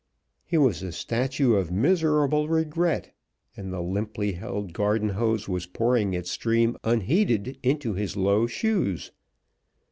He was a statue of miserable regret, and the limply held garden hose was pouring its stream unheeded into his low shoes.